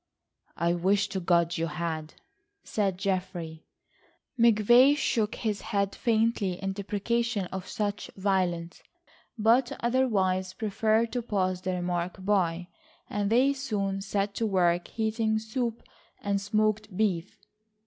"I wish to God you had," said Geoffrey. McVay shook his head faintly in deprecation of such violence, but otherwise preferred to pass the remark by, and they soon set to work heating soup and smoked beef.